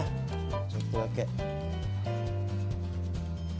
ちょっとだけ。